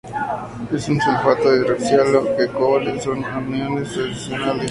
Es un sulfato hidroxilado de cobre, sin aniones adicionales.